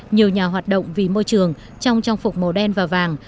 nhiều nhà hoạt động vì môi trường trong trang phục màu đen và vàng